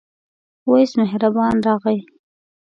وېس مهربان هم راغی.